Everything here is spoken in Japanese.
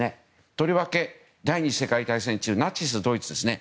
とりわけ第２次世界大戦中のナチスドイツですね。